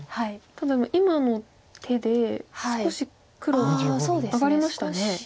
ただ今の手で少し黒上がりましたね。